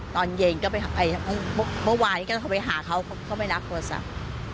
ตอนเย็นก็ไปเมื่อวานนี้ก็โทรไปหาเขาก็ไม่รับโทรศัพท์